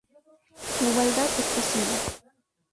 La igualdad es posible".